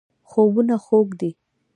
خوبونه خوږ دي.